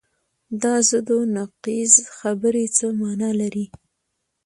دا ضد و نقیض خبرې څه معنی لري؟